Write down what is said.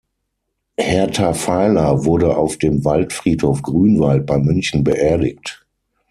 Hertha Feiler wurde auf dem Waldfriedhof Grünwald bei München beerdigt.